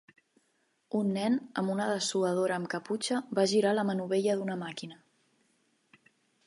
Un nen amb una dessuadora amb caputxa fa girar la manovella d'una màquina.